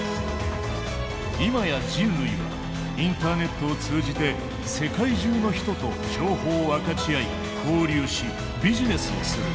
今や人類はインターネットを通じて世界中の人と情報を分かち合い交流しビジネスをする。